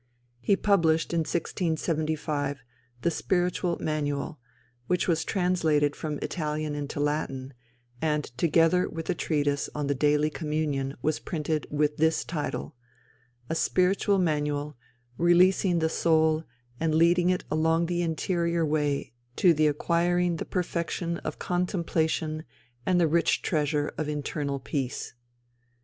He published in 1675 The Spiritual Manual, which was translated from Italian into Latin, and together with a treatise on The Daily Communion was printed with this title: _A Spiritual Manual, releasing the soul and leading it along the interior way to the acquiring the perfection of contemplation and the rich treasure of internal peace_.